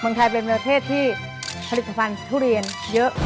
เมืองไทยเป็นบริเวณเทศที่ผลิตภัณฑ์ทุเรียนเยอะ